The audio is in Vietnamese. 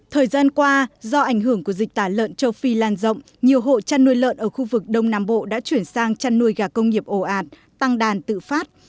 thời gian qua do ảnh hưởng của dịch tả lợn châu phi lan rộng nhiều hộ chăn nuôi lợn ở khu vực đông nam bộ đã chuyển sang chăn nuôi gà công nghiệp ổ ạt tăng đàn tự phát